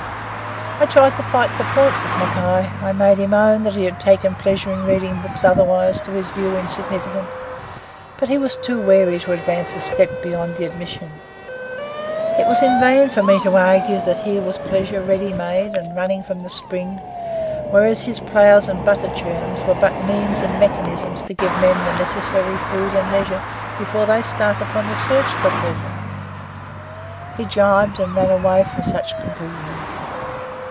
I tried to fight the point with Mackay. I made him own that he had taken pleasure in reading books otherwise, to his view, insignificant; but he was too wary to advance a step beyond the admission. It was in vain for me to argue that here was pleasure ready made and running from the spring, whereas his ploughs and butter churns were but means and mechanisms to give men the necessary food and leisure before they start upon the search for pleasure; he jibbed and ran away from such conclusions.